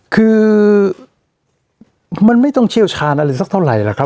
คือมันไม่ต้องเชี่ยวชาญอะไรสักเท่าไหร่หรอกครับ